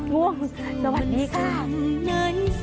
ม่วงสวัสดีค่ะ